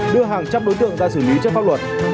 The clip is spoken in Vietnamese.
đưa hàng trăm đối tượng ra xử lý trước pháp luật